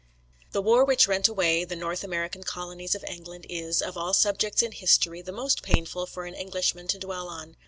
The war which rent away the North American colonies of England is, of all subjects in history, the most painful for an Englishman to dwell on.